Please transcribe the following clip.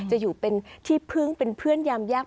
จะอยู่เป็นที่พึ่งเป็นเพื่อนยามยาก